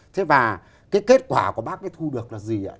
thế và cái kết quả của bác ấy thu được là gì ạ